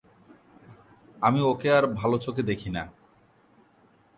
আমি ওকে আর ভালো চোখে দেখি না।